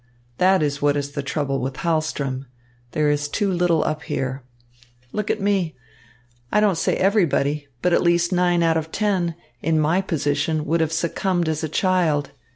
"That is what is the trouble with Hahlström. There is too little up here. Look at me. I don't say everybody, but at least nine out of ten, in my position would have succumbed as a child.